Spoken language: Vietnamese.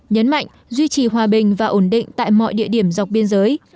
nhấn mạnh duy trì hòa bình và ổn định tại mọi địa điểm dọc biên giới